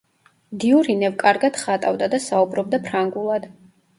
დიურინევ კარგად ხატავდა და საუბრობდა ფრანგულად.